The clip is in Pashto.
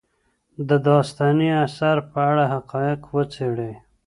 د داستاني اثر په اړه حقایق وڅېړئ.